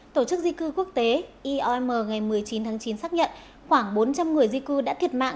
tổ chức di cư quốc tế iom ngày một mươi chín tháng chín xác nhận khoảng bốn trăm linh người di cư đã thiệt mạng